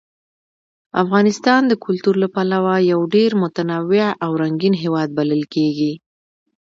افغانستان د کلتور له پلوه یو ډېر متنوع او رنګین هېواد بلل کېږي.